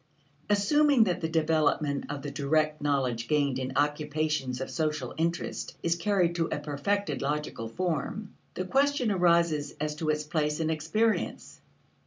Assuming that the development of the direct knowledge gained in occupations of social interest is carried to a perfected logical form, the question arises as to its place in experience.